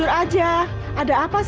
saya mau makan pak